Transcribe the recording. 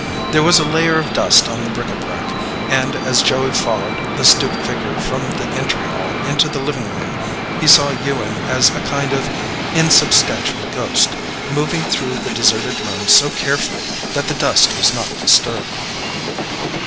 There was a layer of dust on the bric a brac, and as Joey followed the stooped figure from the entry hall into the living room, he saw Ewing as a kind of insubstantial ghost, moving through the deserted rooms so carefully that the dust was not disturbed.